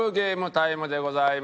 タイムでございます。